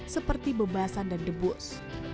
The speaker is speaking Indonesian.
seperti bebasan dan debus